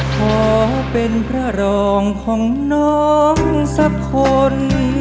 ขอเป็นพระรองของน้องสักคน